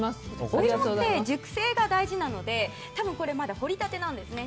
お芋って熟成が大事なので多分これ堀りたてなんですね。